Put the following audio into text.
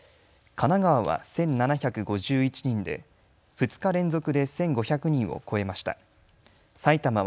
神奈川は１７５１人で２日連続で１５００人を超えました。